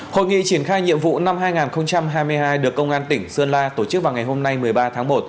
hội nghị triển khai nhiệm vụ năm hai nghìn hai mươi hai được công an tỉnh sơn la tổ chức vào ngày hôm nay một mươi ba tháng một